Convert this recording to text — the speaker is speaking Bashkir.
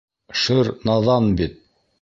Шыр наҙан бит.